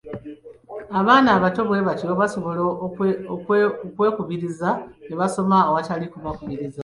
Abaana abato bwe batyo basobola okwekubiriza ne basoma awatali kukubirizibwa.